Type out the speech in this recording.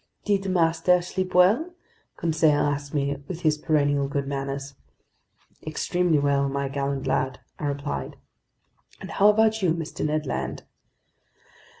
"Did master sleep well?" Conseil asked me with his perennial good manners. "Extremely well, my gallant lad," I replied. "And how about you, Mr. Ned Land?"